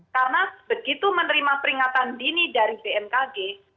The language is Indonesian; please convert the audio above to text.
karena begitu menerima peringatan dini dari bmkg